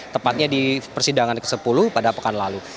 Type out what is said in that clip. tepatnya di persidangan ke sepuluh pada pekan lalu